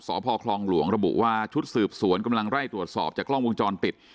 สพคลองหลวงระบุว่าชุดสืบสวนกำลังไล่ตรวจสอบจากกล้องวงจรปิด